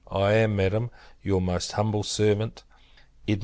I am, Madam, your most humble servant, EDM.